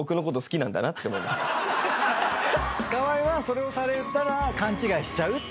河合はそれをされたら勘違いしちゃうってことだもんね。